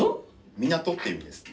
「港」っていう意味ですね。